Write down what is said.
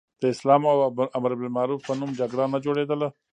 د اسلام او امر بالمعروف په نوم جګړه نه جوړېدله.